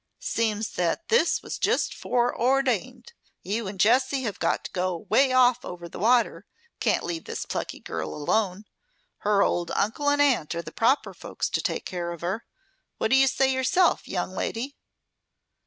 "Seems that this was just foreordained. You and Jessie have got to go 'way off, over the water; can't leave this plucky girl alone. Her old uncle and aunt are the proper folks to take care of her. What do you say yourself, young lady?"